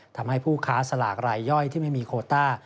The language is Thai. ทำให้ผู้ค้าสลากรายย่อยที่ไม่มีโคต้า